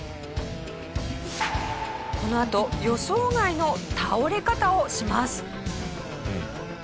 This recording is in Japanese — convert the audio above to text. このあと予想外の倒れ方をします。